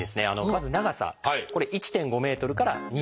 まず長さこれ１．５ｍから２ｍ。